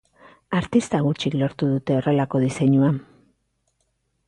Artista gutxik lortu dute horrelako diseinua.